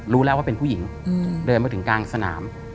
รู้แล้วว่าเป็นผู้หญิงเดินมาถึงกลางสนาม